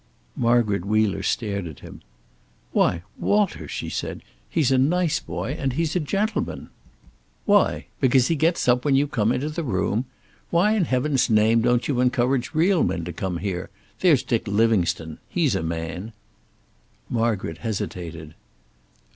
Margaret Wheeler stared at him. "Why, Walter!" she said. "He's a nice boy, and he's a gentleman." "Why? Because he gets up when you come into the room? Why in heaven's name don't you encourage real men to come here? There's Dick Livingstone. He's a man." Margaret hesitated.